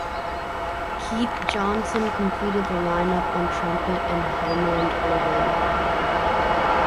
Keith Johnson completed the line-up on trumpet and Hammond organ.